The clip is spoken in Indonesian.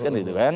kan gitu kan